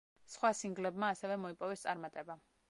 სხვა სინგლებმა ასევე მოიპოვეს წარმატება.